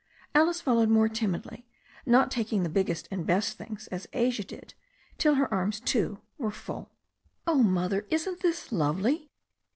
Alice followed more timidly, not taking the biggest and best things, as Asia did, till her arms, too, were full. "Oh, Mother, isn't this lovely?"